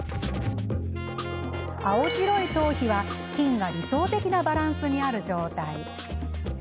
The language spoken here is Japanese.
青白い頭皮は菌が理想的なバランスにある状態。